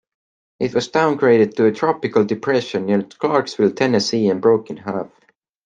It was downgraded to a tropical depression near Clarksville, Tennessee and broke in half.